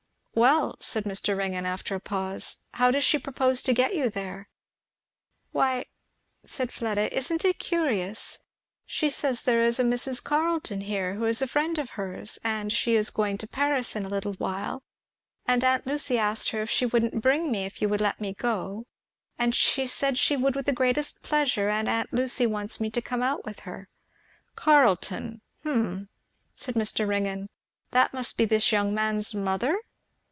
"Well," said Mr. Ringgan after a pause, "how does she propose to get you there?" "Why," said Fleda, "isn't it curious? she says there is a Mrs. Carleton here who is a friend of hers, and she is going to Paris in a little while, and aunt Lucy asked her if she wouldn't bring me, if you would let me go, and she said she would with great pleasure, and aunt Lucy wants me to come out with her." "Carleton! Hum " said Mr. Ringgan; "that must be this young man's mother?"